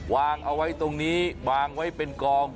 วางเอาไว้ตรงนี้วางไว้เป็นกอง